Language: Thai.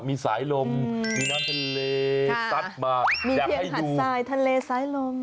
มีสายลมมีน้ำทะเลสัดมาแล้วให้ดูมีเพียงหาดไซทะเลสายลม